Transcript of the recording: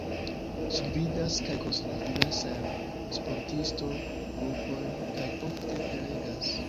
Ŝi gvidas kaj konsilas diversajn sportisto-grupojn kaj ofte prelegas.